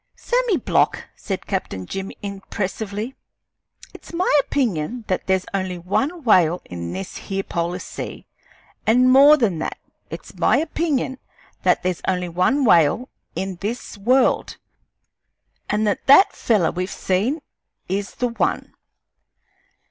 "Sammy Block," said Captain Jim, impressively, "it's my opinion that there's only one whale in this here polar sea; an', more than that, it's my opinion that there's only one whale in this world, an' that that feller we've seen is the one!